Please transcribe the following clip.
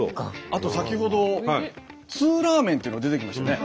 あと先ほどツーラーメンっていうのが出てきましたよね。